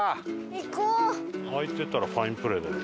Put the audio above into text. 開いてたらファインプレーだよ。